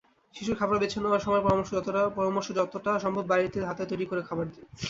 শিশুর খাবার বেছে নেওয়ার সময় পরামর্শযতটা সম্ভব বাড়িতে হাতে তৈরি খাবার দিন।